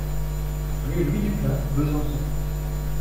Rue Louis Duplain, Besançon